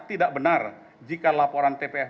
tidak benar jika laporan tpf